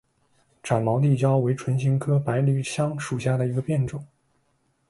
展毛地椒为唇形科百里香属下的一个变种。